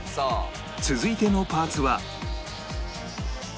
続いてのパーツは